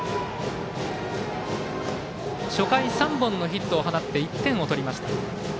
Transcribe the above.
初回３本のヒットを放って１点を取りました。